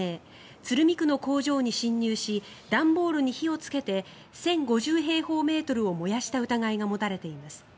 鶴見区の工場に侵入し段ボールに火をつけて１０５０平方メートルを燃やした疑いが持たれています。